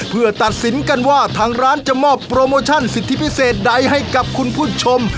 เพื่อตัดสินกันว่าทางร้านจะมอบโปรโมชั่นสิทธิพิเศษใดให้กับคุณผู้ชม